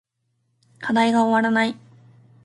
課題が終わらない